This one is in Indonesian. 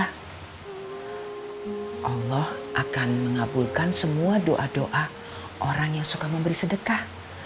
allah akan mengabulkan semua doa doa orang yang suka memberi sedekah